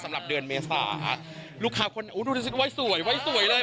สำหรับเดือนเมษาลูกค้าคนดูดิฉันไว้สวยไว้สวยเลย